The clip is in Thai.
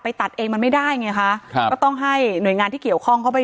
ตัดเองมันไม่ได้ไงคะครับก็ต้องให้หน่วยงานที่เกี่ยวข้องเข้าไป